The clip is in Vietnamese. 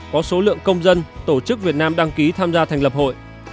có số lượng công dân tổ chức việt nam đăng ký tham gia thành lập hội